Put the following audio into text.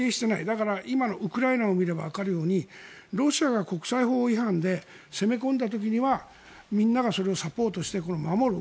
だから、今のウクライナを見ればわかるようにロシアが国際法違反で攻め込んだ時にはみんながそれをサポートして守る。